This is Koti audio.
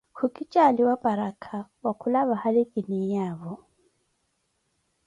Ku ki jaaliwa paraka, wakula vahali ki niiyaavo.